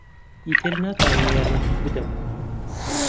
ئیتر ناتوانم یارمەتیت بدەم.